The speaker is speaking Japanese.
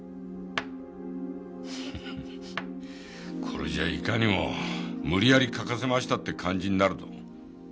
これじゃいかにも無理矢理書かせましたって感じになるぞ。